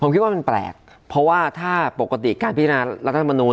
ผมคิดว่ามันแปลกเพราะว่าถ้าปกติการพินารัฐธรรมนูล